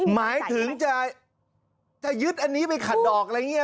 หมายถึงจะยึดอันนี้ไปขัดดอกร้องไม่นี้